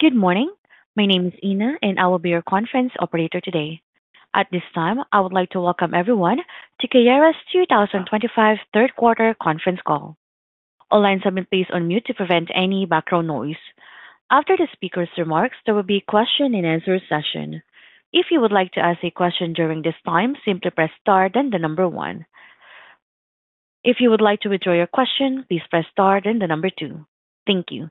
Good morning. My name is Ina, and I will be your conference operator today. At this time, I would like to welcome everyone to Keyera's 2025 third quarter conference call. All lines have been placed on mute to prevent any background noise. After the speaker's remarks, there will be a question-and-answer session. If you would like to ask a question during this time, simply press star then the number one. If you would like to withdraw your question, please press star then the number two. Thank you.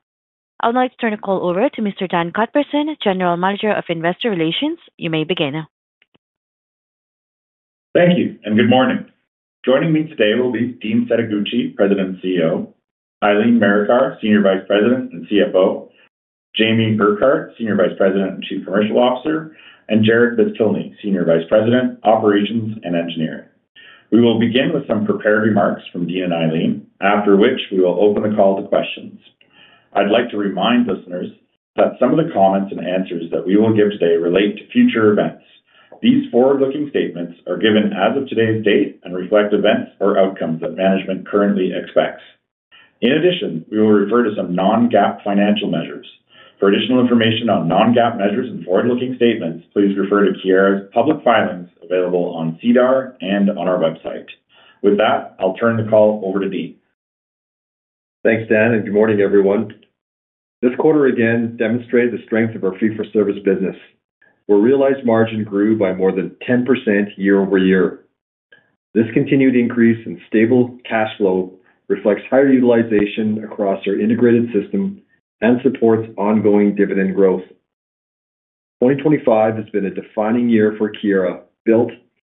I would like to turn the call over to Mr. Dan Cuthbertson, General Manager of Investor Relations. You may begin. Thank you, and good morning. Joining me today will be Dean Setoguchi, President and CEO; Eileen Marikar, Senior Vice President and CFO; Jamie Urquhart, Senior Vice President and Chief Commercial Officer; and Jarrod Beztilny, Senior Vice President, Operations and Engineering. We will begin with some prepared remarks from Dean and Eileen, after which we will open the call to questions. I'd like to remind listeners that some of the comments and answers that we will give today relate to future events. These forward-looking statements are given as of today's date and reflect events or outcomes that management currently expects. In addition, we will refer to some non-GAAP financial measures. For additional information on non-GAAP measures and forward-looking statements, please refer to Keyera's public filings available on SEDAR and on our website. With that, I'll turn the call over to Dean. Thanks, Dan, and good morning, everyone. This quarter again demonstrated the strength of our fee-for-service business, where realized margin grew by more than 10% year over year. This continued increase in stable cash flow reflects higher utilization across our integrated system and supports ongoing dividend growth. 2025 has been a defining year for Keyera, built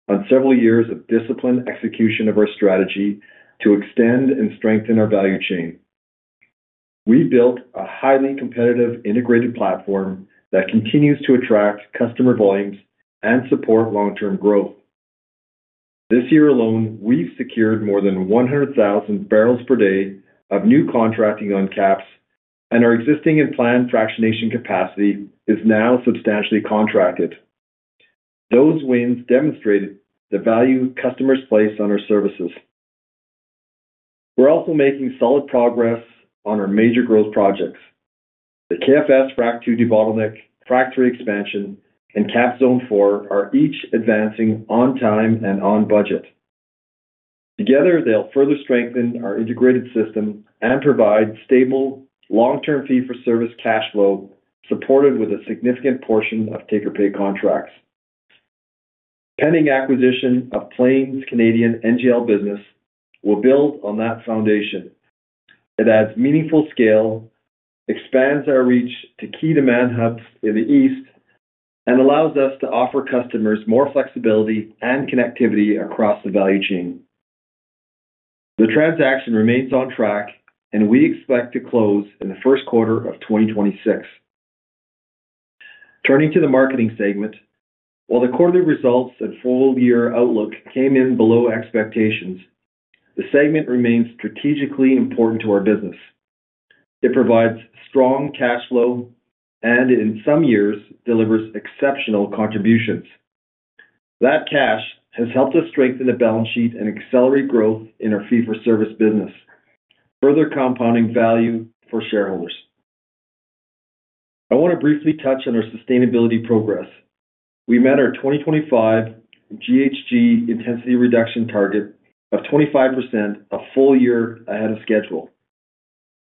on several years of disciplined execution of our strategy to extend and strengthen our value chain. We've built a highly competitive integrated platform that continues to attract customer volumes and support long-term growth. This year alone, we've secured more than 100,000 barrels per day of new contracting on CAPS, and our existing and planned fractionation capacity is now substantially contracted. Those wins demonstrate the value customers place on our services. We're also making solid progress on our major growth projects. The KFS Fract II debottleneck, Frac III expansion, and KAPS Zone 4 are each advancing on time and on budget. Together, they'll further strengthen our integrated system and provide stable long-term fee-for-service cash flow, supported with a significant portion of take-or-pay contracts. Pending acquisition of Plains' Canadian NGL business will build on that foundation. It adds meaningful scale, expands our reach to key demand hubs in the East, and allows us to offer customers more flexibility and connectivity across the value chain. The transaction remains on track, and we expect to close in the first quarter of 2026. Turning to the marketing segment, while the quarterly results and full-year outlook came in below expectations, the segment remains strategically important to our business. It provides strong cash flow and, in some years, delivers exceptional contributions. That cash has helped us strengthen the balance sheet and accelerate growth in our fee-for-service business, further compounding value for shareholders. I want to briefly touch on our sustainability progress. We met our 2025 GHG Intensity Reduction Target of 25%, a full year ahead of schedule.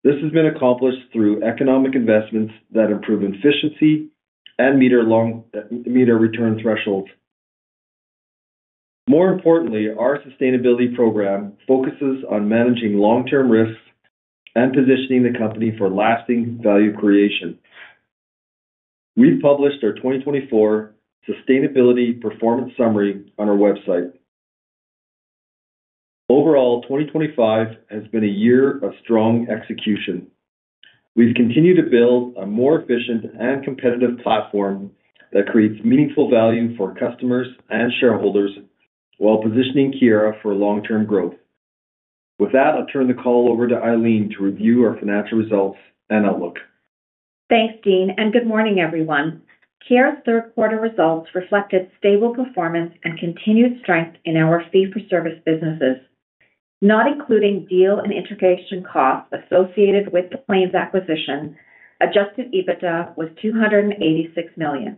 This has been accomplished through economic investments that improve efficiency and meet our return thresholds. More importantly, our sustainability program focuses on managing long-term risks and positioning the company for lasting value creation. We've published our 2024 Sustainability Performance Summary on our website. Overall, 2025 has been a year of strong execution. We've continued to build a more efficient and competitive platform that creates meaningful value for customers and shareholders while positioning Keyera for long-term growth. With that, I'll turn the call over to Eileen to review our financial results and outlook. Thanks, Dean, and good morning, everyone. Keyera's third-quarter results reflected stable performance and continued strength in our fee-for-service businesses. Not including deal and integration costs associated with the Plains acquisition, adjusted EBITDA was 286 million.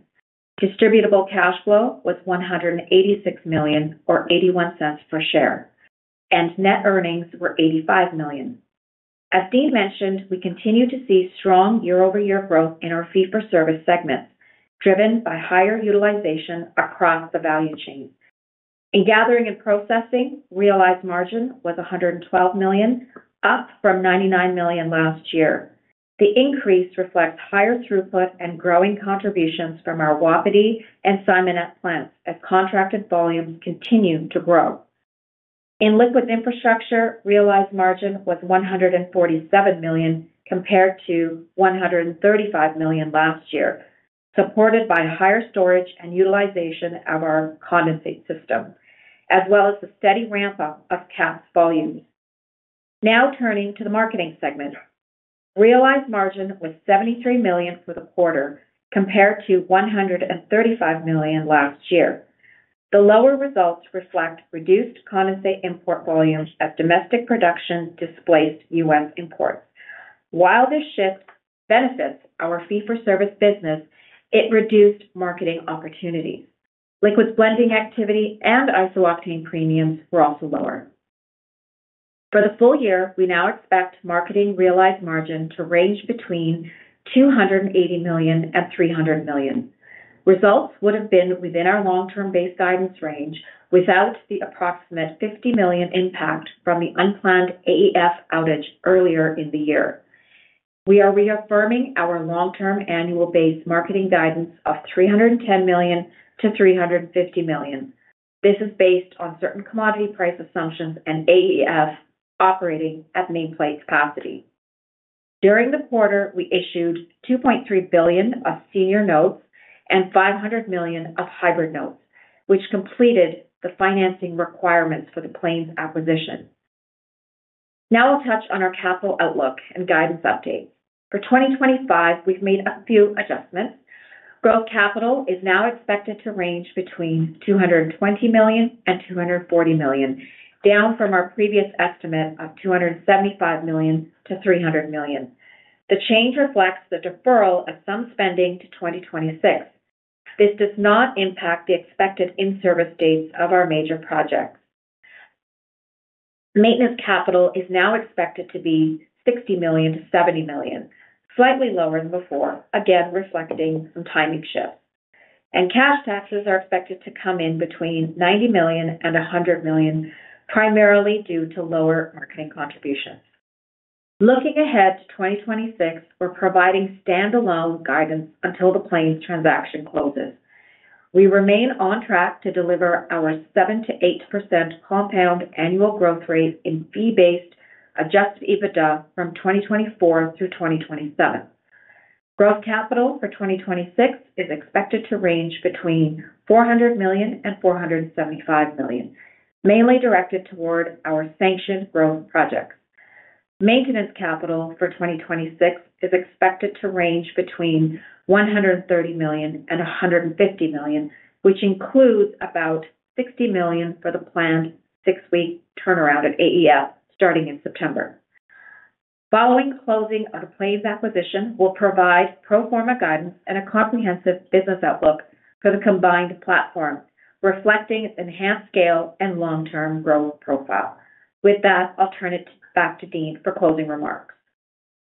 Distributable cash flow was 186 million, or 0.81 per share, and net earnings were 85 million. As Dean mentioned, we continue to see strong year-over-year growth in our fee-for-service segments, driven by higher utilization across the value chain. In Gathering and Processing, realized margin was 112 million, up from 99 million last year. The increase reflects higher throughput and growing contributions from our Wapiti and Simonette plants as contracted volumes continue to grow. In Liquids Infrastructure, realized margin was 147 million compared to 135 million last year, supported by higher storage and utilization of our condensate system, as well as the steady ramp-up of KAPS volumes. Now turning to the Marketing segment, realized margin was CAD 73 million for the quarter compared to CAD 135 million last year. The lower results reflect reduced condensate import volumes as domestic production displaced U.S. imports. While this shift benefits our fee-for-service business, it reduced marketing opportunities. Liquids blending activity and isooctane premiums were also lower. For the full year, we now expect Marketing realized margin to range between 280 million and 300 million. Results would have been within our long-term base guidance range without the approximate 50 million impact from the unplanned AEF outage earlier in the year. We are reaffirming our long-term annual base Marketing guidance of CAD 310 million-CAD 350 million. This is based on certain commodity price assumptions and AEF operating at main plate capacity. During the quarter, we issued 2.3 billion of senior notes and 500 million of hybrid notes, which completed the financing requirements for the Plains acquisition. Now I'll touch on our capital outlook and guidance updates. For 2025, we've made a few adjustments. Growth capital is now expected to range between 220 million and 240 million, down from our previous estimate of 275 million-300 million. The change reflects the deferral of some spending to 2026. This does not impact the expected in-service dates of our major projects. Maintenance capital is now expected to be 60 million-70 million, slightly lower than before, again reflecting some timing shifts. Cash taxes are expected to come in between 90 million and 100 million, primarily due to lower marketing contributions. Looking ahead to 2026, we're providing standalone guidance until the Plains transaction closes. We remain on track to deliver our 7%-8% compound annual growth rate in fee-based adjusted EBITDA from 2024 through 2027. Growth capital for 2026 is expected to range between 400 million and 475 million, mainly directed toward our sanctioned growth projects. Maintenance capital for 2026 is expected to range between 130 million and 150 million, which includes about 60 million for the planned six-week turnaround at AEF starting in September. Following closing of the Plains acquisition, we'll provide pro forma guidance and a comprehensive business outlook for the combined platform, reflecting enhanced scale and long-term growth profile. With that, I'll turn it back to Dean for closing remarks.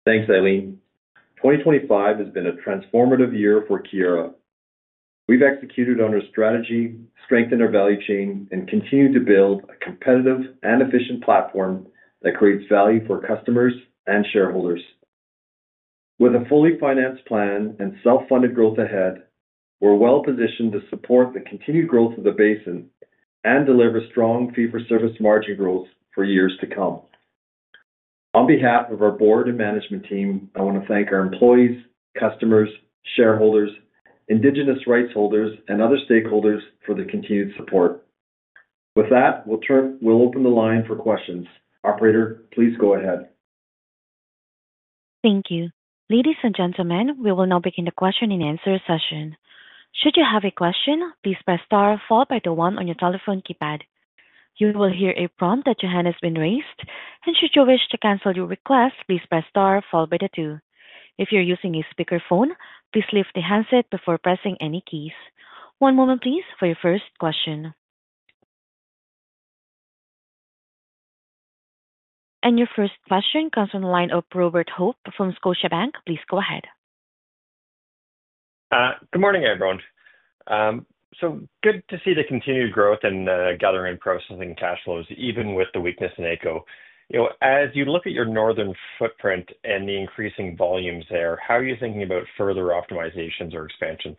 Thanks, Eileen. 2025 has been a transformative year for Keyera. We've executed on our strategy, strengthened our value chain, and continued to build a competitive and efficient platform that creates value for customers and shareholders. With a fully financed plan and self-funded growth ahead, we're well positioned to support the continued growth of the basin and deliver strong fee-for-service margin growth for years to come. On behalf of our board and management team, I want to thank our employees, customers, shareholders, Indigenous rights holders, and other stakeholders for the continued support. With that, we'll open the line for questions. Operator, please go ahead. Thank you. Ladies and gentlemen, we will now begin the question-and-answer session. Should you have a question, please press star followed by the one on your telephone keypad. You will hear a prompt that your hand has been raised, and should you wish to cancel your request, please press star followed by the two. If you're using a speakerphone, please lift the handset before pressing any keys. One moment, please, for your first question. Your first question comes from the line of Robert Hope from Scotiabank. Please go ahead. Good morning, everyone. So good to see the continued growth in Gathering and Processing cash flows, even with the weakness in AECO. As you look at your northern footprint and the increasing volumes there, how are you thinking about further optimizations or expansions?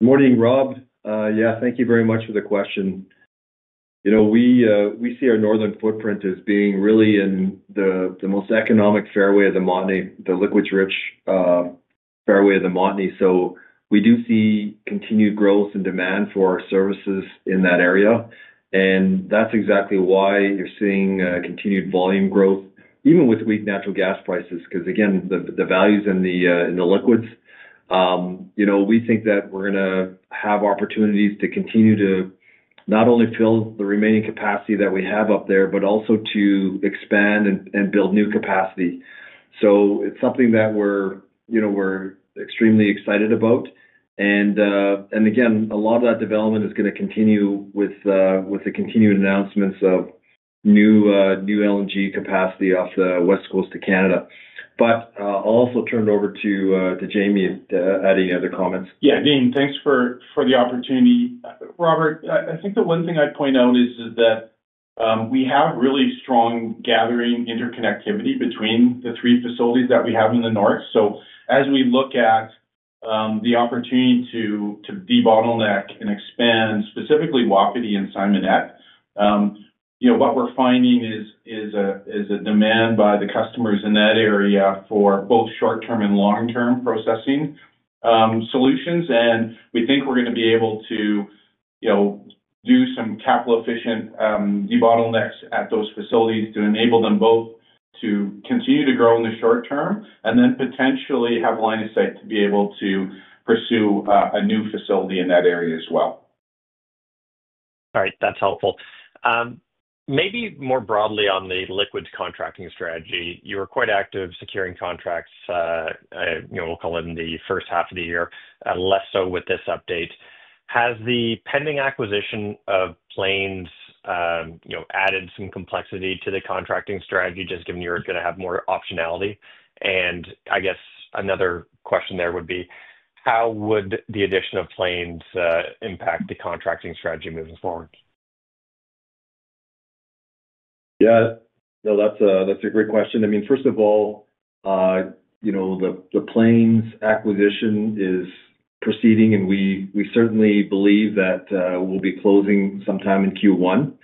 Good morning, Rob. Yeah, thank you very much for the question. We see our northern footprint as being really in the most economic fairway of the Montney, the liquids-rich fairway of the Montney. We do see continued growth and demand for our services in that area. That is exactly why you are seeing continued volume growth, even with weak natural gas prices, because, again, the value is in the liquids. We think that we are going to have opportunities to continue to not only fill the remaining capacity that we have up there, but also to expand and build new capacity. It is something that we are extremely excited about. Again, a lot of that development is going to continue with the continued announcements of new LNG capacity off the West Coast to Canada. I will also turn it over to Jamie to add any other comments. Yeah, Dean, thanks for the opportunity. Robert, I think the one thing I'd point out is that we have really strong gathering interconnectivity between the three facilities that we have in the north. As we look at the opportunity to debottleneck and expand, specifically Wapiti and Simonette, what we're finding is a demand by the customers in that area for both short-term and long-term processing solutions. We think we're going to be able to do some capital-efficient debottlenecks at those facilities to enable them both to continue to grow in the short term and then potentially have line of sight to be able to pursue a new facility in that area as well. All right, that's helpful. Maybe more broadly on the liquids contracting strategy, you were quite active securing contracts, we'll call them the first half of the year, less so with this update. Has the pending acquisition of Plains added some complexity to the contracting strategy, just given you're going to have more optionality? I guess another question there would be, how would the addition of Plains impact the contracting strategy moving forward? Yeah, no, that's a great question. I mean, first of all, the Plains acquisition is proceeding, and we certainly believe that we'll be closing sometime in Q1.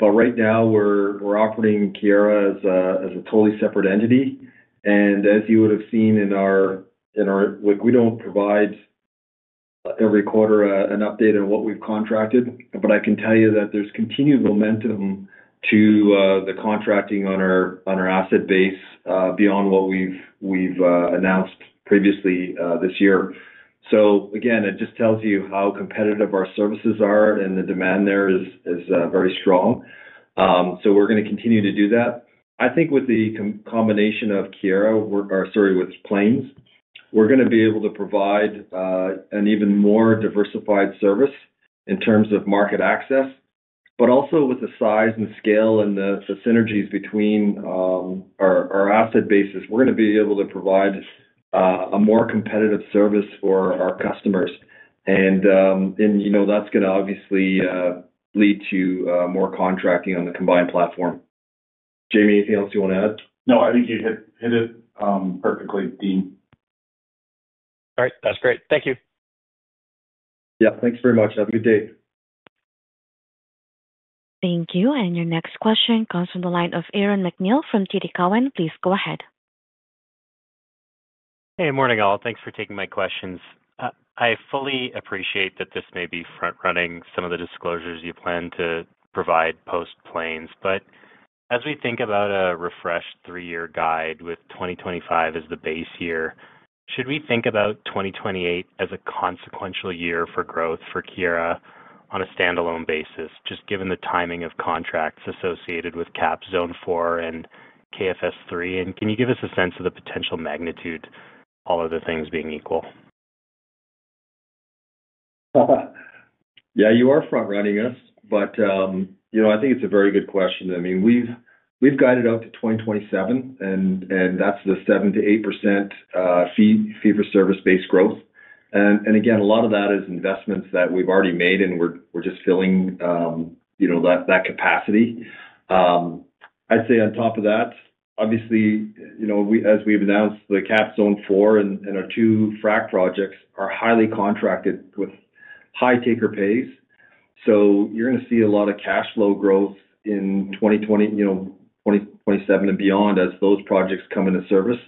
Right now, we're operating Keyera as a totally separate entity. As you would have seen in our week, we don't provide every quarter an update on what we've contracted. I can tell you that there's continued momentum to the contracting on our asset base beyond what we've announced previously this year. It just tells you how competitive our services are and the demand there is very strong. We're going to continue to do that. I think with the combination of Keyera, or, sorry, with Plains, we're going to be able to provide an even more diversified service in terms of market access. Also with the size and scale and the synergies between our asset bases, we're going to be able to provide a more competitive service for our customers. That's going to obviously lead to more contracting on the combined platform. Jamie, anything else you want to add? No, I think you hit it perfectly, Dean. All right, that's great. Thank you. Yeah, thanks very much. Have a good day. Thank you. Your next question comes from the line of Aaron MacNeil from TD Cowen. Please go ahead. Hey, morning all. Thanks for taking my questions. I fully appreciate that this may be front-running some of the disclosures you plan to provide post-Plains. As we think about a refreshed three-year guide with 2025 as the base year, should we think about 2028 as a consequential year for growth for Keyera on a standalone basis, just given the timing of contracts associated with KAPS Zone 4 and KFS Frac III? Can you give us a sense of the potential magnitude, all other things being equal? Yeah, you are front-running us, but I think it's a very good question. I mean, we've guided out to 2027, and that's the 7%-8% fee-for-service-based growth. Again, a lot of that is investments that we've already made, and we're just filling that capacity. I'd say on top of that, obviously, as we've announced, the KAPS Zone 4 and our two Frac projects are highly contracted with high take-or-pays. You are going to see a lot of cash flow growth in 2027 and beyond as those projects come into service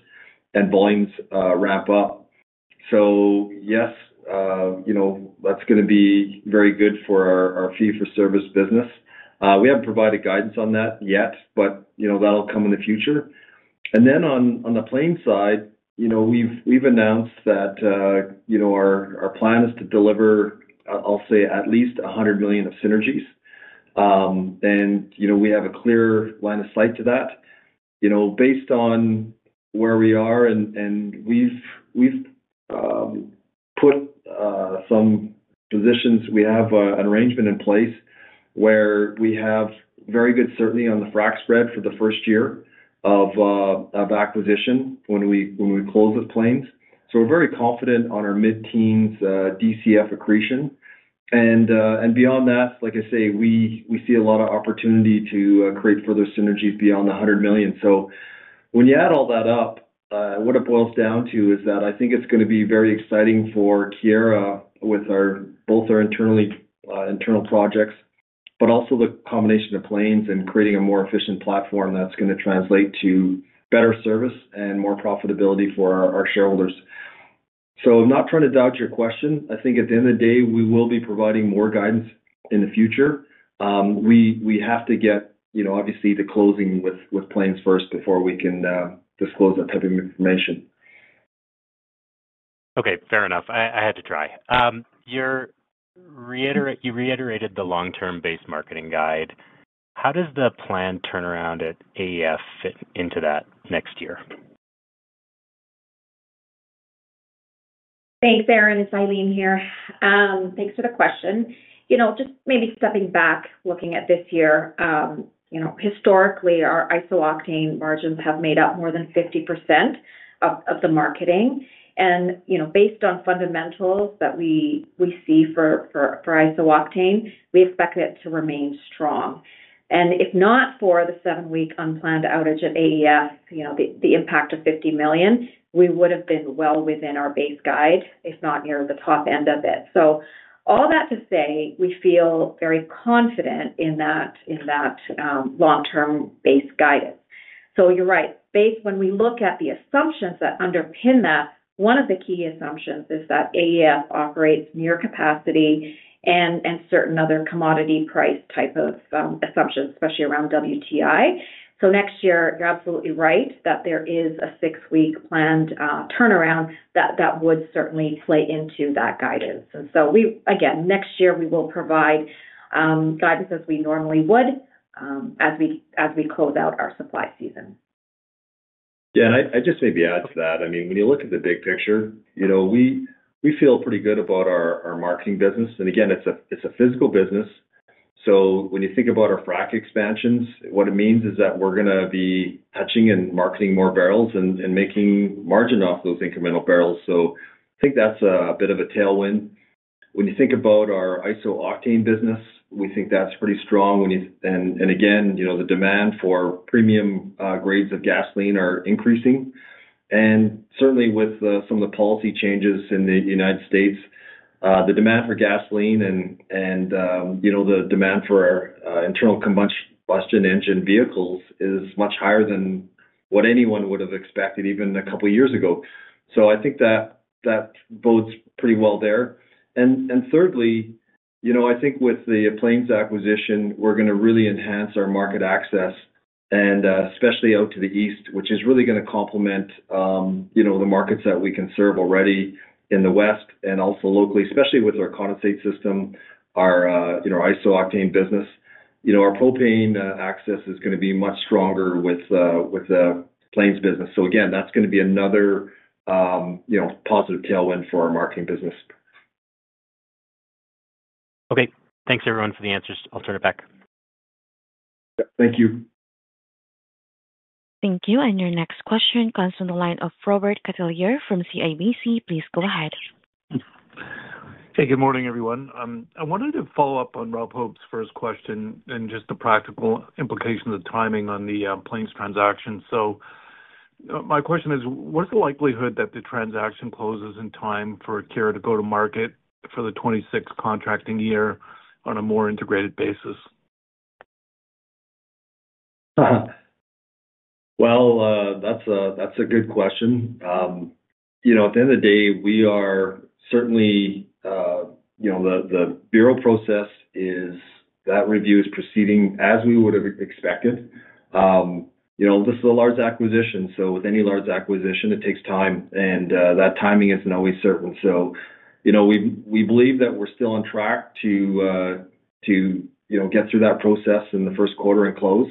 and volumes ramp up. Yes, that's going to be very good for our fee-for-service business. We haven't provided guidance on that yet, but that'll come in the future. On the Plains side, we've announced that our plan is to deliver, I'll say, at least 100 million of synergies. We have a clear line of sight to that. Based on where we are, and we've put some positions, we have an arrangement in place where we have very good certainty on the frac spread for the first year of acquisition when we close with Plains. We are very confident on our mid-teens DCF accretion. Beyond that, like I say, we see a lot of opportunity to create further synergies beyond the 100 million. When you add all that up, what it boils down to is that I think it's going to be very exciting for Keyera with both our internal projects, but also the combination of Plains and creating a more efficient platform that's going to translate to better service and more profitability for our shareholders. I'm not trying to doubt your question. I think at the end of the day, we will be providing more guidance in the future. We have to get, obviously, the closing with Plains first before we can disclose that type of information. Okay, fair enough. I had to try. You reiterated the long-term base marketing guide. How does the planned turnaround at AEF fit into that next year? Thanks, Aaron. It's Eileen here. Thanks for the question. Just maybe stepping back, looking at this year, historically, our isooctane margins have made up more than 50% of the marketing. Based on fundamentals that we see for isooctane, we expect it to remain strong. If not for the seven-week unplanned outage at AEF, the impact of 50 million, we would have been well within our base guide, if not near the top end of it. All that to say, we feel very confident in that long-term base guidance. You're right. When we look at the assumptions that underpin that, one of the key assumptions is that AEF operates near capacity and certain other commodity price type of assumptions, especially around WTI. Next year, you're absolutely right that there is a six-week planned turnaround that would certainly play into that guidance. Next year, we will provide guidance as we normally would as we close out our supply season. Yeah, and I just maybe add to that. I mean, when you look at the big picture, we feel pretty good about our marketing business. Again, it's a physical business. When you think about our frac expansions, what it means is that we're going to be touching and marketing more barrels and making margin off those incremental barrels. I think that's a bit of a tailwind. When you think about our isooctane business, we think that's pretty strong. Again, the demand for premium grades of gasoline is increasing. Certainly, with some of the policy changes in the United States, the demand for gasoline and the demand for our internal combustion engine vehicles is much higher than what anyone would have expected even a couple of years ago. I think that bodes pretty well there. Thirdly, I think with the Plains acquisition, we're going to really enhance our market access, especially out to the east, which is really going to complement the markets that we can serve already in the west and also locally, especially with our condensate system, our isooctane business. Our propane access is going to be much stronger with the Plains business. Again, that's going to be another positive tailwind for our marketing business. Okay. Thanks, everyone, for the answers. I'll turn it back. Thank you. Thank you. Your next question comes from the line of Robert Catellier from CIBC. Please go ahead. Hey, good morning, everyone. I wanted to follow up on Rob Hope's first question and just the practical implications of timing on the Plains transaction. So my question is, what's the likelihood that the transaction closes in time for Keyera to go to market for the 2026 contracting year on a more integrated basis? That is a good question. At the end of the day, we are certainly, the bureau process is that review is proceeding as we would have expected. This is a large acquisition. With any large acquisition, it takes time. That timing is not always certain. We believe that we are still on track to get through that process in the first quarter and close.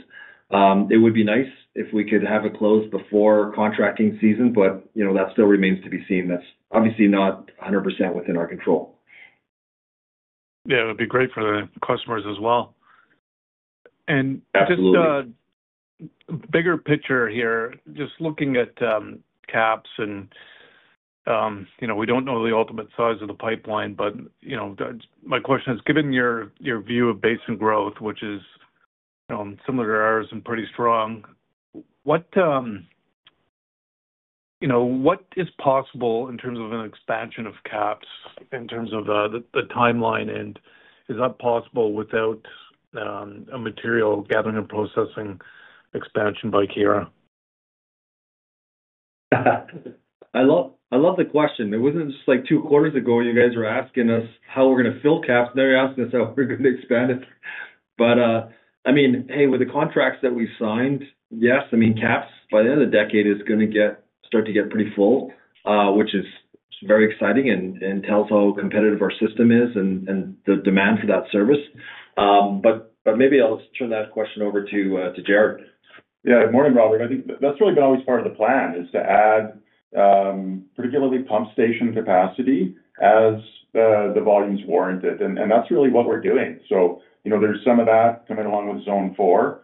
It would be nice if we could have it closed before contracting season, but that still remains to be seen. That is obviously not 100% within our control. Yeah, that'd be great for the customers as well. Just a bigger picture here, just looking at KAPS and we do not know the ultimate size of the pipeline, but my question is, given your view of base and growth, which is similar to ours and pretty strong, what is possible in terms of an expansion of KAPS in terms of the timeline? Is that possible without a Material Gathering and Processing expansion by Keyera? I love the question. It was not just like two quarters ago you guys were asking us how we are going to fill KAPS. Now you are asking us how we are going to expand it. I mean, hey, with the contracts that we signed, yes, I mean, KAPS by the end of the decade is going to start to get pretty full, which is very exciting and tells how competitive our system is and the demand for that service. Maybe I will turn that question over to Jarrod. Yeah, good morning, Robert. I think that's really been always part of the plan is to add particularly pump station capacity as the volumes warrant it. That's really what we're doing. There's some of that coming along with Zone 4.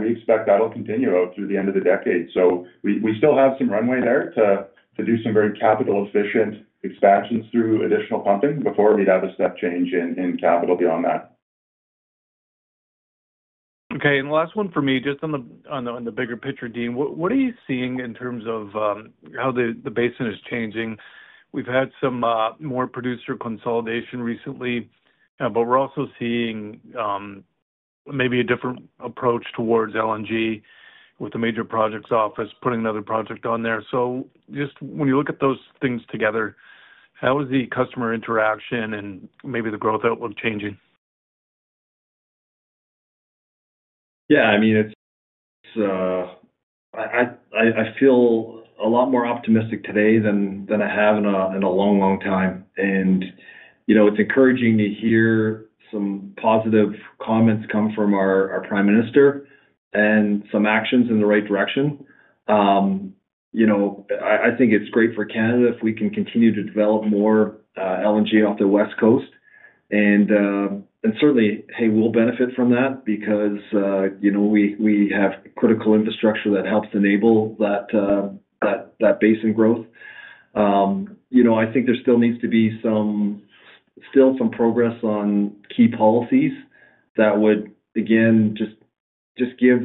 We expect that'll continue out through the end of the decade. We still have some runway there to do some very capital-efficient expansions through additional pumping before we'd have a step change in capital beyond that. Okay. Last one for me, just on the bigger picture, Dean, what are you seeing in terms of how the basin is changing? We have had some more producer consolidation recently, but we are also seeing maybe a different approach towards LNG with the major projects office putting another project on there. Just when you look at those things together, how is the customer interaction and maybe the growth outlook changing? Yeah, I mean, I feel a lot more optimistic today than I have in a long, long time. It is encouraging to hear some positive comments come from our Prime Minister and some actions in the right direction. I think it is great for Canada if we can continue to develop more LNG off the West Coast. Certainly, hey, we will benefit from that because we have critical infrastructure that helps enable that basin growth. I think there still needs to be some progress on key policies that would, again, just give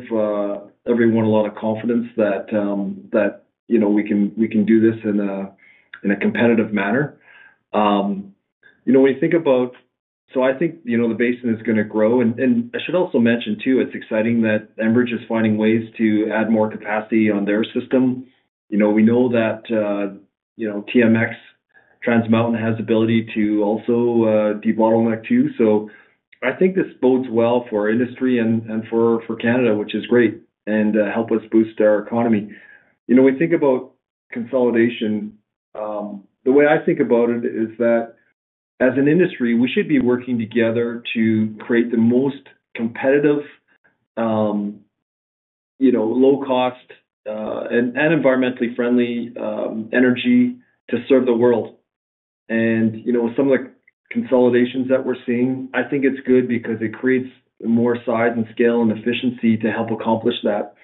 everyone a lot of confidence that we can do this in a competitive manner. When you think about it, I think the basin is going to grow. I should also mention, too, it is exciting that Enbridge is finding ways to add more capacity on their system. We know that TMX, Trans Mountain has the ability to also debottleneck too. I think this bodes well for industry and for Canada, which is great, and helps us boost our economy. When we think about consolidation, the way I think about it is that as an industry, we should be working together to create the most competitive, low-cost, and environmentally friendly energy to serve the world. Some of the consolidations that we're seeing, I think it's good because it creates more size and scale and efficiency to help accomplish that.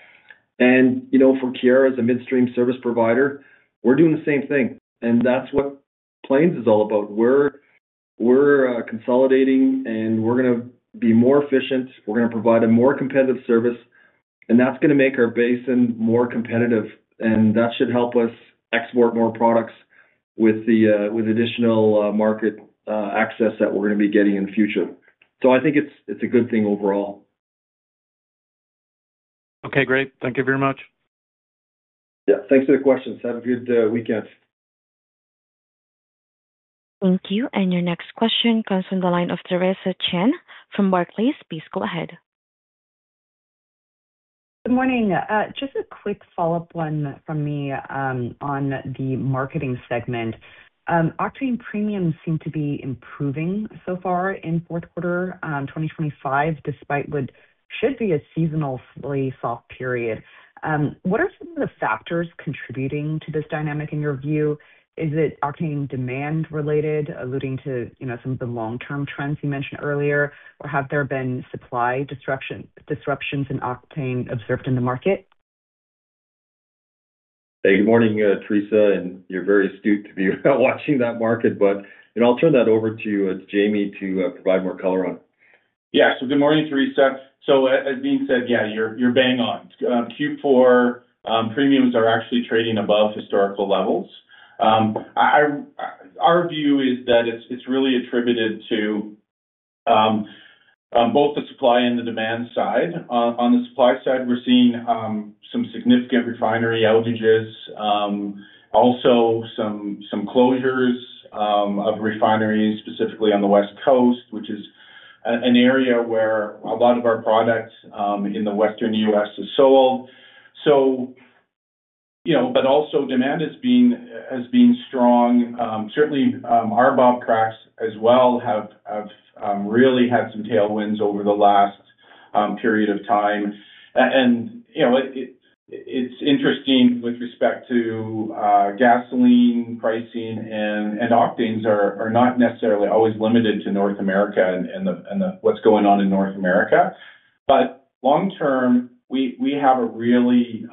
For Keyera as a midstream service provider, we're doing the same thing. That is what Plains is all about. We're consolidating, and we're going to be more efficient. We're going to provide a more competitive service. That is going to make our basin more competitive. That should help us export more products with the additional market access that we're going to be getting in the future. I think it's a good thing overall. Okay, great. Thank you very much. Yeah, thanks for the questions. Have a good weekend. Thank you. Your next question comes from the line of Theresa Chen from Barclays. Please go ahead. Good morning. Just a quick follow-up one from me on the Marketing segment. Octane Premium seemed to be improving so far in fourth quarter 2025, despite what should be a seasonally soft period. What are some of the factors contributing to this dynamic in your view? Is it octane demand related, alluding to some of the long-term trends you mentioned earlier, or have there been supply disruptions in octane observed in the market? Hey, good morning, Theresa, and you're very astute to be watching that market. I'll turn that over to Jamie to provide more color on. Yeah. Good morning, Theresa. As Dean said, yeah, you're bang on. Q4 premiums are actually trading above historical levels. Our view is that it's really attributed to both the supply and the demand side. On the supply side, we're seeing some significant refinery outages, also some closures of refineries, specifically on the West Coast, which is an area where a lot of our products in the Western US are sold. Demand is being strong. Certainly, our Bobcracks as well have really had some tailwinds over the last period of time. It's interesting with respect to gasoline pricing, and octanes are not necessarily always limited to North America and what's going on in North America. Long term, we have a really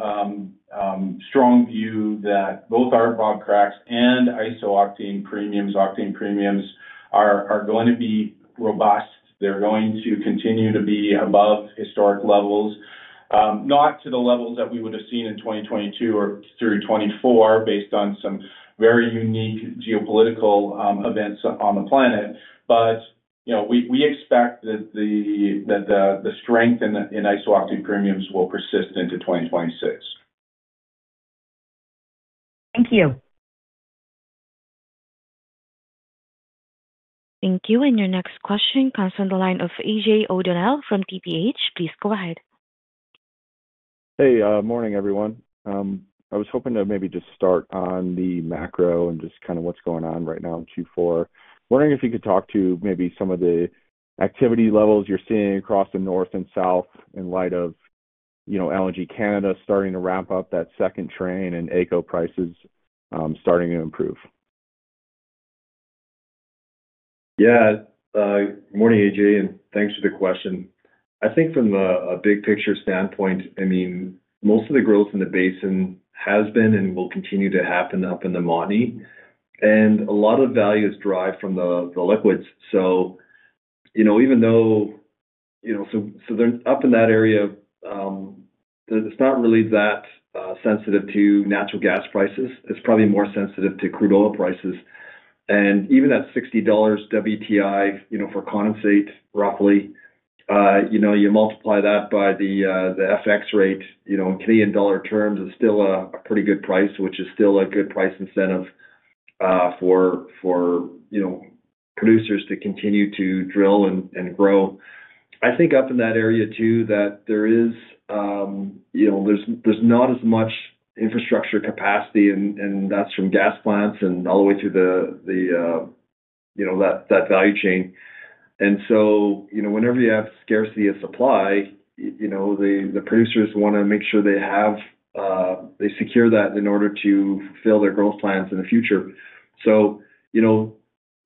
strong view that both our Bobcracks and isooctane premiums, octane premiums are going to be robust. They're going to continue to be above historic levels, not to the levels that we would have seen in 2022 or through 2024 based on some very unique geopolitical events on the planet. We expect that the strength in isooctane premiums will persist into 2026. Thank you. Thank you. Your next question comes from the line of A.J. O'Donnell from TPH. Please go ahead. Hey, morning, everyone. I was hoping to maybe just start on the macro and just kind of what's going on right now in Q4. Wondering if you could talk to maybe some of the activity levels you're seeing across the north and south in light of LNG Canada starting to ramp up that second train and AECO prices starting to improve. Yeah. Morning, A.J. And thanks for the question. I think from a big picture standpoint, I mean, most of the growth in the basin has been and will continue to happen up in the Montney. And a lot of value is derived from the liquids. So even though they are up in that area, it's not really that sensitive to natural gas prices. It's probably more sensitive to crude oil prices. Even at 60 dollars WTI for condensate, roughly, you multiply that by the FX rate in Canadian dollar terms, it's still a pretty good price, which is still a good price incentive for producers to continue to drill and grow. I think up in that area, too, there is not as much infrastructure capacity, and that's from gas plants and all the way through that value chain. Whenever you have scarcity of supply, the producers want to make sure they secure that in order to fulfill their growth plans in the future.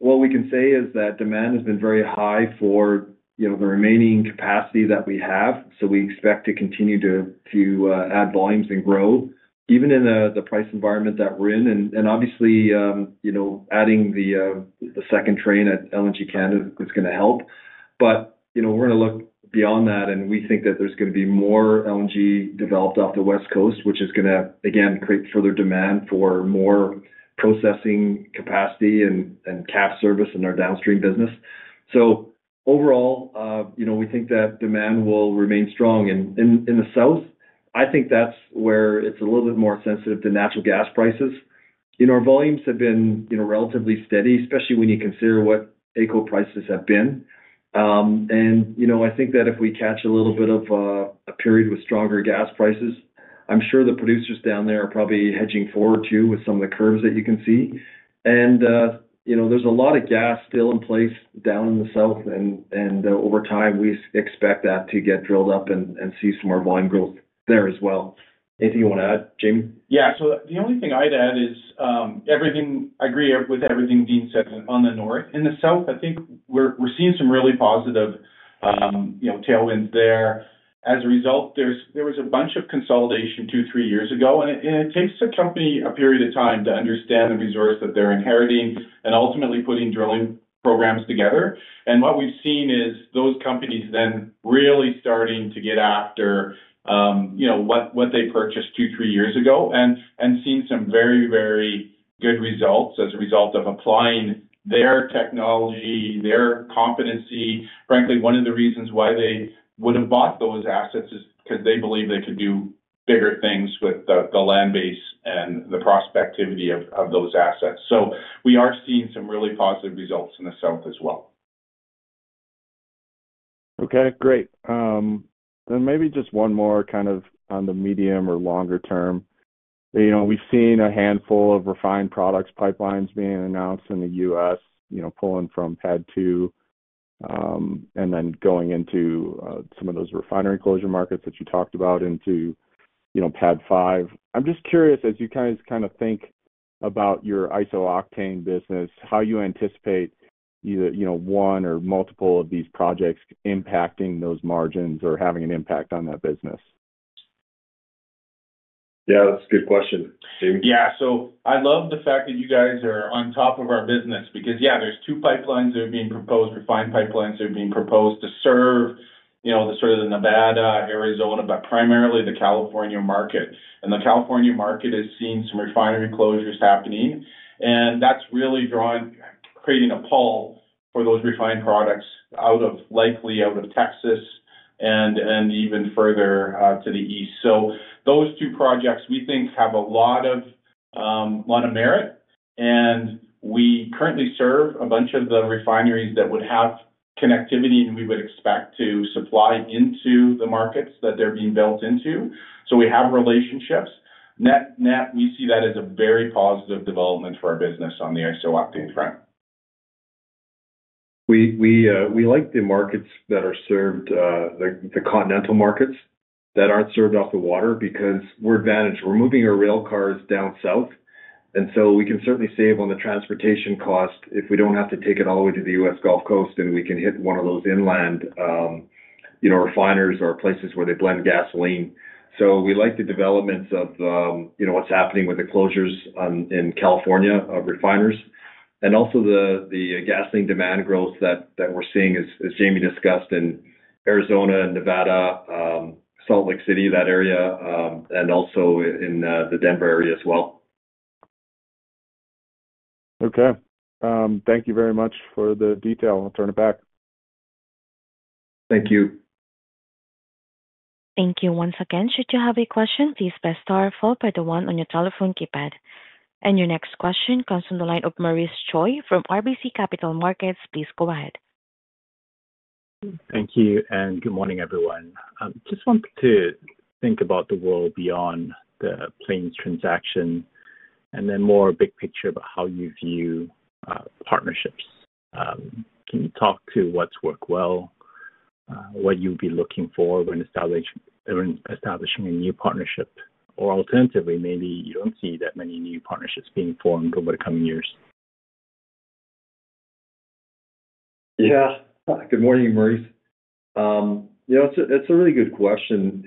What we can say is that demand has been very high for the remaining capacity that we have. We expect to continue to add volumes and grow even in the price environment that we're in. Obviously, adding the second train at LNG Canada is going to help. We are going to look beyond that. We think that there is going to be more LNG developed off the West Coast, which is going to, again, create further demand for more processing capacity and cap service in our downstream business. Overall, we think that demand will remain strong. In the south, I think that's where it is a little bit more sensitive to natural gas prices. Our volumes have been relatively steady, especially when you consider what AECO prices have been. I think that if we catch a little bit of a period with stronger gas prices, I'm sure the producers down there are probably hedging forward too with some of the curves that you can see. There is a lot of gas still in place down in the south. Over time, we expect that to get drilled up and see some more volume growth there as well. Anything you want to add, Jamie? Yeah. The only thing I'd add is I agree with everything Dean said on the north. In the south, I think we're seeing some really positive tailwinds there. As a result, there was a bunch of consolidation two, three years ago. It takes a company a period of time to understand the resource that they're inheriting and ultimately putting drilling programs together. What we've seen is those companies then really starting to get after what they purchased two, three years ago and seeing some very, very good results as a result of applying their technology, their competency. Frankly, one of the reasons why they would have bought those assets is because they believe they could do bigger things with the land base and the prospectivity of those assets. We are seeing some really positive results in the south as well. Okay. Great. Then maybe just one more kind of on the medium or longer term. We've seen a handful of refined products pipelines being announced in the U.S., pulling from Pad 2 and then going into some of those refinery closure markets that you talked about into Pad 5. I'm just curious, as you guys kind of think about your isooctane business, how you anticipate one or multiple of these projects impacting those margins or having an impact on that business? Yeah, that's a good question. Yeah. I love the fact that you guys are on top of our business because, yeah, there are two pipelines that are being proposed, refined pipelines that are being proposed to serve sort of the Nevada, Arizona, but primarily the California market. The California market is seeing some refinery closures happening. That is really creating a pull for those refined products likely out of Texas and even further to the east. Those two projects, we think, have a lot of merit. We currently serve a bunch of the refineries that would have connectivity, and we would expect to supply into the markets that they are being built into. We have relationships. Net, we see that as a very positive development for our business on the isooctane front. We like the markets that are served, the continental markets that are not served off the water because we are advantaged. We are moving our rail cars down south. We can certainly save on the transportation cost if we do not have to take it all the way to the US Gulf Coast, and we can hit one of those inland refineries or places where they blend gasoline. We like the developments of what is happening with the closures in California of refineries. We also like the gasoline demand growth that we are seeing, as Jamie discussed, in Arizona, Nevada, Salt Lake City, that area, and also in the Denver area as well. Okay. Thank you very much for the detail. I'll turn it back. Thank you. Thank you once again. Should you have a question, please press star or follow up by the one on your telephone keypad. Your next question comes from the line of Maurice Choy from RBC Capital Markets. Please go ahead. Thank you. Good morning, everyone. Just wanted to think about the world beyond the Plains transaction and then more big picture about how you view partnerships. Can you talk to what's worked well, what you'll be looking for when establishing a new partnership, or alternatively, maybe you don't see that many new partnerships being formed over the coming years? Yeah. Good morning, Maurice. That's a really good question.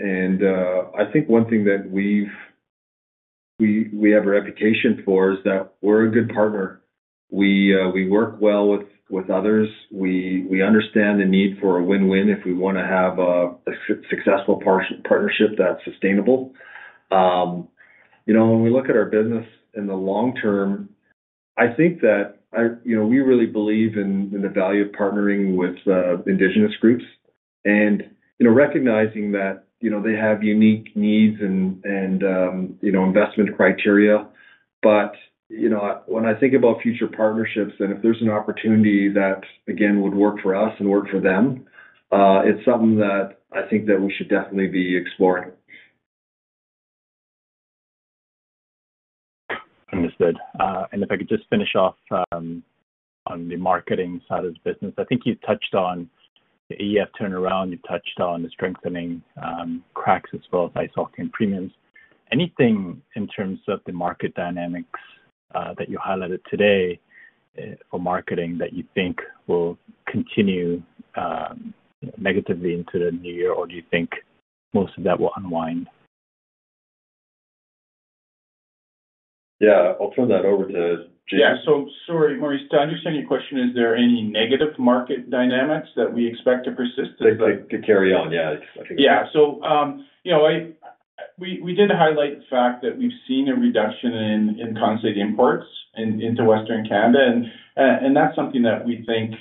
I think one thing that we have a reputation for is that we're a good partner. We work well with others. We understand the need for a win-win if we want to have a successful partnership that's sustainable. When we look at our business in the long term, I think that we really believe in the value of partnering with indigenous groups and recognizing that they have unique needs and investment criteria. When I think about future partnerships and if there's an opportunity that, again, would work for us and work for them, it's something that I think that we should definitely be exploring. Understood. If I could just finish off on the marketing side of the business, I think you touched on the AEF turnaround. You touched on the strengthening cracks as well as isooctane premiums. Anything in terms of the market dynamics that you highlighted today for marketing that you think will continue negatively into the new year, or do you think most of that will unwind? Yeah. I'll turn that over to Jamie. Yeah. Sorry, Maurice. To understand your question, is there any negative market dynamics that we expect to persist? To carry on, yeah. Yeah. We did highlight the fact that we've seen a reduction in condensate imports into Western Canada. That's something that we think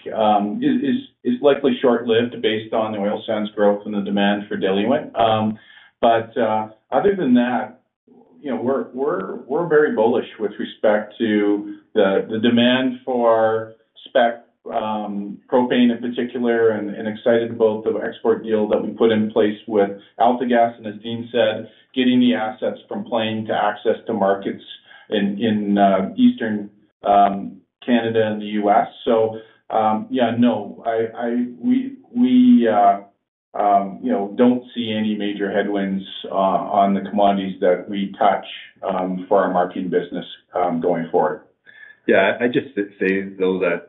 is likely short-lived based on the oil sands growth and the demand for diluent. Other than that, we're very bullish with respect to the demand for Spec Propane in particular and excited about the export deal that we put in place with AltaGas. As Dean said, getting the assets from Plains to access markets in Eastern Canada and the US. Yeah, no, we don't see any major headwinds on the commodities that we touch for our marketing business going forward. Yeah. I just say, though, that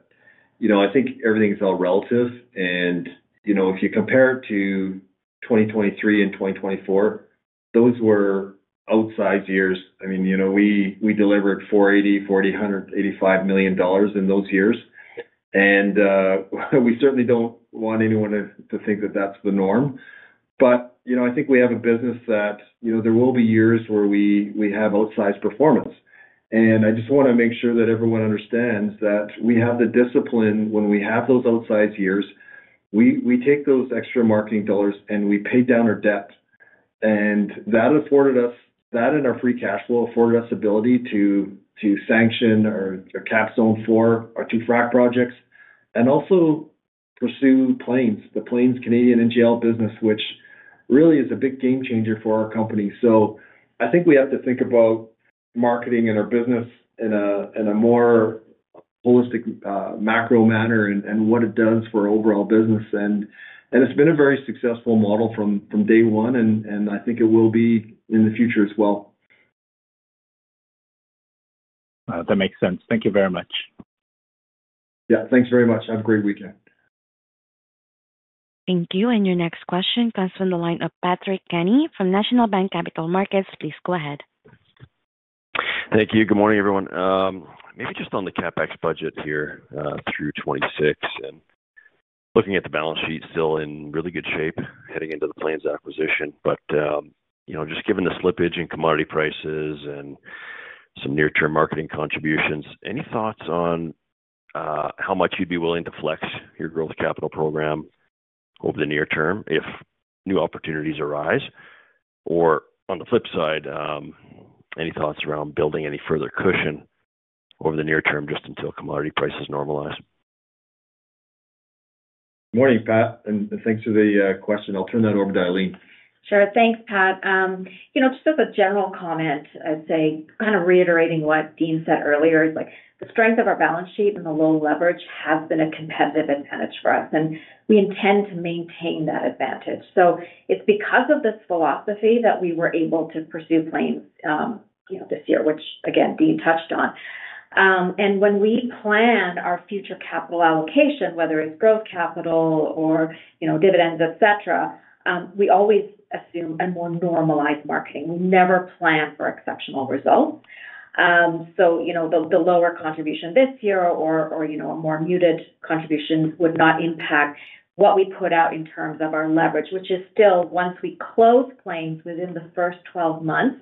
I think everything's all relative. If you compare it to 2023 and 2024, those were outsized years. I mean, we delivered 480 million dollars, CAD 485 million in those years. We certainly don't want anyone to think that that's the norm. I think we have a business that there will be years where we have outsized performance. I just want to make sure that everyone understands that we have the discipline when we have those outsized years. We take those extra marketing dollars and we pay down our debt. That afforded us that and our free cash flow afforded us the ability to sanction or KAPS Zone 4, our two frac projects and also pursue Plains, the Plains' Canadian NGL business, which really is a big game changer for our company. I think we have to think about marketing and our business in a more holistic macro manner and what it does for overall business. It has been a very successful model from day one. I think it will be in the future as well. That makes sense. Thank you very much. Yeah. Thanks very much. Have a great weekend. Thank you. Your next question comes from the line of Patrick Kenny from National Bank Capital Markets. Please go ahead. Thank you. Good morning, everyone. Maybe just on the CapEx budget here through 2026 and looking at the balance sheet still in really good shape heading into the Plains acquisition. Just given the slippage in commodity prices and some near-term marketing contributions, any thoughts on how much you'd be willing to flex your growth capital program over the near term if new opportunities arise? On the flip side, any thoughts around building any further cushion over the near term just until commodity prices normalize? Morning, Pat. Thanks for the question. I'll turn that over to Eileen. Sure. Thanks, Pat. Just as a general comment, I'd say kind of reiterating what Dean said earlier, the strength of our balance sheet and the low leverage has been a competitive advantage for us. We intend to maintain that advantage. It is because of this philosophy that we were able to pursue Plains this year, which, again, Dean touched on. When we plan our future capital allocation, whether it is growth capital or dividends, etc., we always assume a more normalized marketing. We never plan for exceptional results. The lower contribution this year or a more muted contribution would not impact what we put out in terms of our leverage, which is still, once we close Plains within the first 12 months,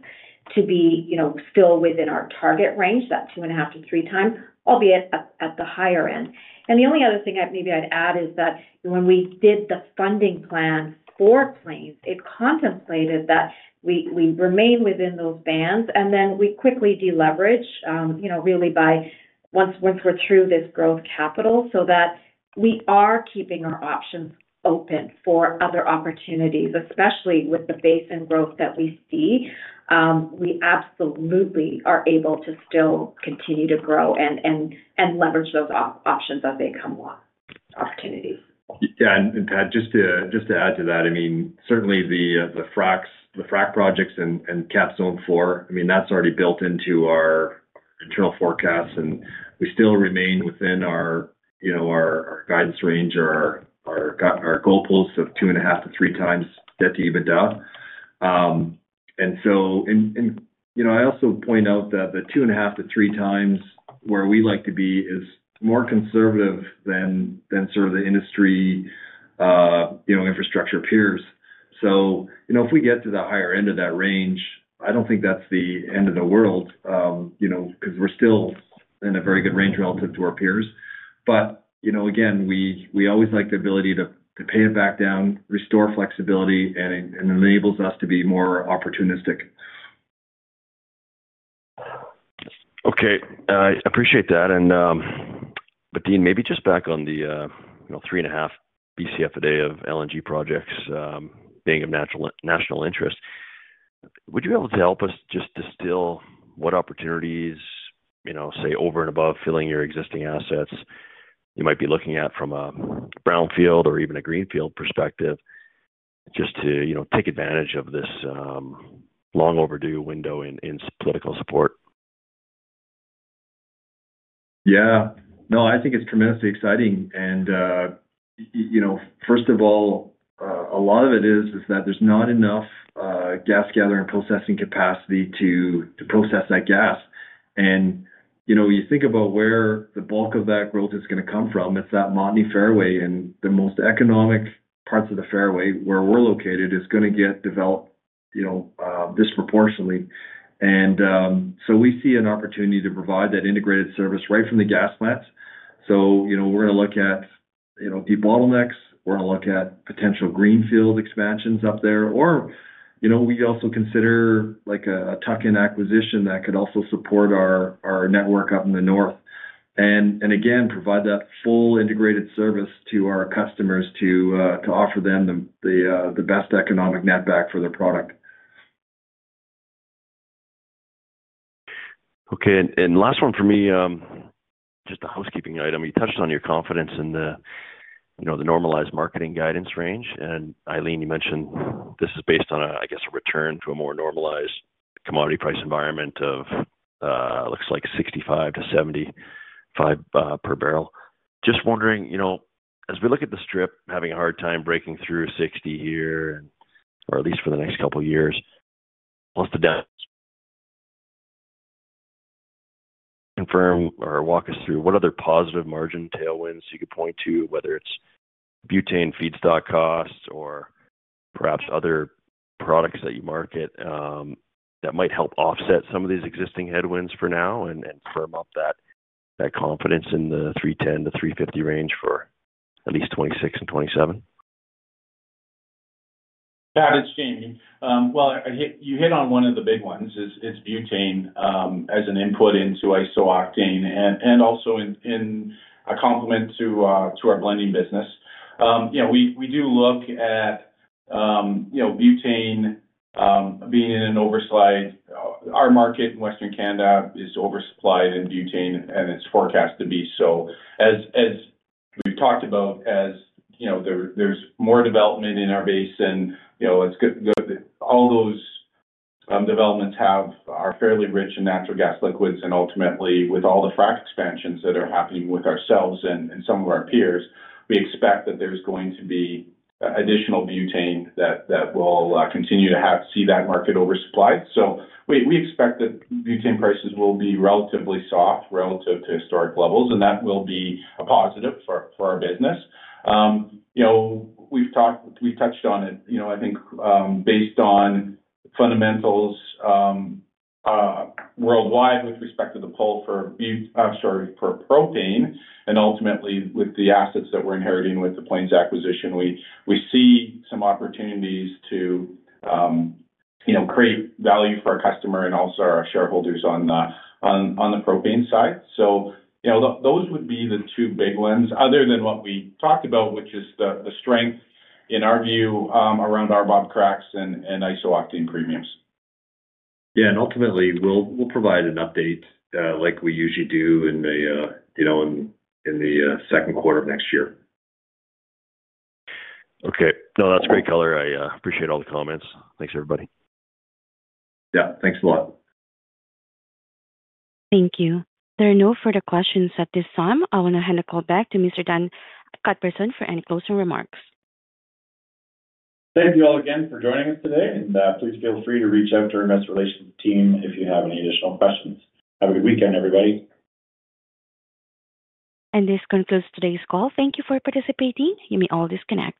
to be still within our target range, that 2.5x - 3x, albeit at the higher end. The only other thing maybe I'd add is that when we did the funding plan for Plains, it contemplated that we remain within those bands, and we quickly deleverage really once we're through this growth capital so that we are keeping our options open for other opportunities, especially with the base in growth that we see. We absolutely are able to still continue to grow and leverage those options as they come along. Opportunities. Yeah. Pat, just to add to that, I mean, certainly the Frac projects and KAPS Zone 4, I mean, that's already built into our internal forecasts. We still remain within our guidance range or our goal post of 2.5x - 3x debt to EBITDA. I also point out that the 2.5x -3x where we like to be is more conservative than sort of the industry infrastructure peers. If we get to the higher end of that range, I do not think that's the end of the world because we're still in a very good range relative to our peers. Again, we always like the ability to pay it back down, restore flexibility, and it enables us to be more opportunistic. Okay. I appreciate that. Dean, maybe just back on the 3.5 BCF a day of LNG projects being of national interest. Would you be able to help us just distill what opportunities, say, over and above filling your existing assets you might be looking at from a brownfield or even a greenfield perspective just to take advantage of this long-overdue window in political support? Yeah. No, I think it's tremendously exciting. First of all, a lot of it is that there's not enough gas gathering and processing capacity to process that gas. You think about where the bulk of that growth is going to come from. It's that Montney fairway. The most economic parts of the fairway where we're located are going to get developed disproportionately. We see an opportunity to provide that integrated service right from the gas plants. We're going to look at debottlenecks. We're going to look at potential greenfield expansions up there. We also consider a tuck-in acquisition that could also support our network up in the north and, again, provide that full integrated service to our customers to offer them the best economic netback for their product. Okay. Last one for me, just a housekeeping item. You touched on your confidence in the normalized marketing guidance range. Eileen, you mentioned this is based on, I guess, a return to a more normalized commodity price environment of, looks like, 65-75 per barrel. Just wondering, as we look at the strip, having a hard time breaking through 60 here, or at least for the next couple of years, once the downs confirm or walk us through what other positive margin tailwinds you could point to, whether it's butane feedstock costs or perhaps other products that you market that might help offset some of these existing headwinds for now and firm up that confidence in the 310-350 range for at least 2026 and 2027? Yeah. It's changing. You hit on one of the big ones. It's butane as an input into isooctane and also in a complement to our blending business. We do look at butane being in an oversupply. Our market in Western Canada is oversupplied in butane, and it's forecast to be so. As we've talked about, there's more development in our basin. All those developments are fairly rich in natural gas liquids. Ultimately, with all the frac expansions that are happening with ourselves and some of our peers, we expect that there's going to be additional butane and we'll continue to see that market oversupplied. We expect that butane prices will be relatively soft relative to historic levels, and that will be a positive for our business. We've touched on it, I think, based on fundamentals worldwide with respect to the pull for propane. Ultimately, with the assets that we're inheriting with the Plains acquisition, we see some opportunities to create value for our customer and also our shareholders on the propane side. Those would be the two big ones other than what we talked about, which is the strength in our view around our Bobcracks and isooctane premiums. Yeah. Ultimately, we'll provide an update like we usually do in the second quarter of next year. Okay. No, that's great color. I appreciate all the comments. Thanks, everybody. Yeah. Thanks a lot. Thank you. There are no further questions at this time. I want to hand the call back to Mr. Dan Cuthbertson for any closing remarks. Thank you all again for joining us today. Please feel free to reach out to our Investor Relations team if you have any additional questions. Have a good weekend, everybody. This concludes today's call. Thank you for participating. You may all disconnect.